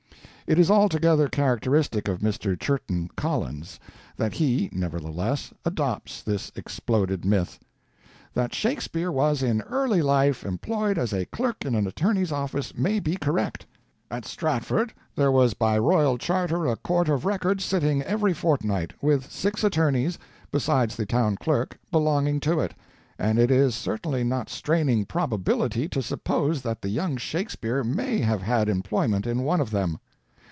It is altogether characteristic of Mr. Churton Collins that he, nevertheless, adopts this exploded myth. "That Shakespeare was in early life employed as a clerk in an attorney's office may be correct. At Stratford there was by royal charter a Court of Record sitting every fortnight, with six attorneys, besides the town clerk, belonging to it, and it is certainly not straining probability to suppose that the young Shakespeare may have had employment in one of them.